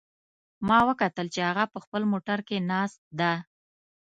ما وکتل چې هغه په خپل موټر کې ناست ده